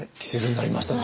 なりました。